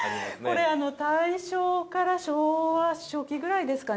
これ大正から昭和初期ぐらいですかね